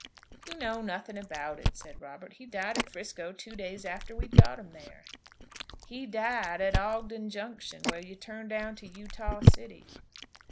"You know nothing about it," said Robert. "He died at 'Frisco two days after we'd got him there." "He died at Ogden Junction, where you turn down to Utah City."